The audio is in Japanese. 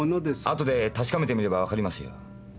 あとで確かめてみれば分かりますよ。